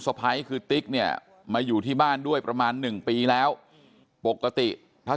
พยคือติ๊กเนี่ยมาอยู่ที่บ้านด้วยประมาณหนึ่งปีแล้วปกติถ้า